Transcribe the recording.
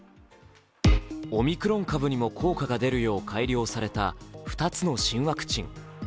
オミクロン株にも効果が出るよう改良された２つの新ワクチン。